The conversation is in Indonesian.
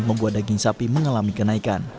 membuat daging sapi mengalami kenaikan